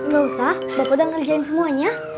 gak usah bapak udah ngerjain semuanya